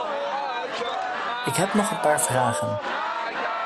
Ik heb nog een paar vragen .